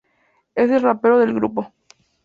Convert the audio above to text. Es el rapero del grupo.